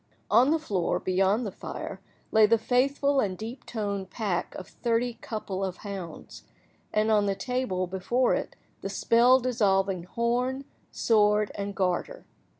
On the floor, beyond the fire, lay the faithful and deep–toned pack of thirty couple of hounds, and on the table, before it, the spell–dissolving horn, sword, and garter.